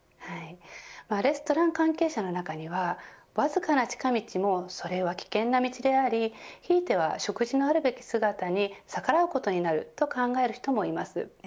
レストラン関係者の中にはわずかな近道もそれは危険な道でありひいては、食事のあるべき姿に逆らうことになると考える人もいます。